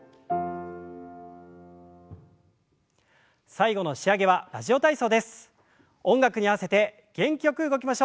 最後の仕上げは「ラジオ体操」です。